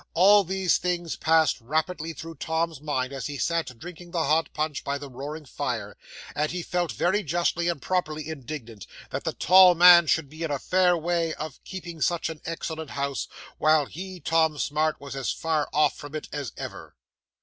All these things passed rapidly through Tom's mind as he sat drinking the hot punch by the roaring fire, and he felt very justly and properly indignant that the tall man should be in a fair way of keeping such an excellent house, while he, Tom Smart, was as far off from it as ever.